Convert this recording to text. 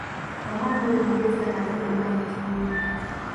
Omwana oyo mugezi era y’akulembera mu kibiina!